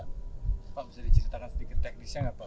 pak bisa diceritakan sedikit teknisnya nggak pak